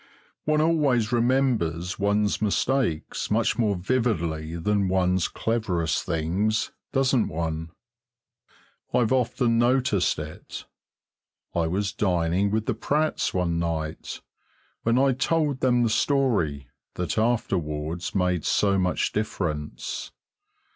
One always remembers one's mistakes much more vividly than one's cleverest things, doesn't one? I've often noticed it. I was dining with the Pratts one night, when I told them the story that afterwards made so much difference.